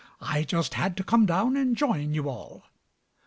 I just had to come down and join you all.